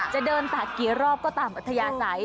จะเดินตากกี่รอบก็ตามอัธยาศัย